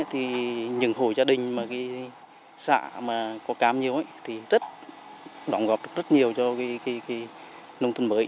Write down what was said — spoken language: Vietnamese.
thì những hồ gia đình xã mà có cam nhiều thì rất đóng góp rất nhiều cho nông thôn mới